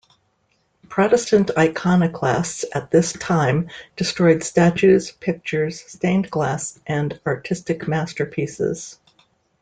Protestant iconoclasts at this time destroyed statues, pictures, stained glass, and artistic masterpieces.